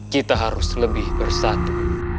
kita harus lebih bersatu